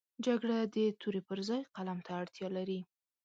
جګړه د تورې پر ځای قلم ته اړتیا لري